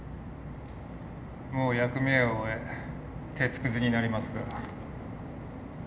もう役目を終え鉄くずになりますが。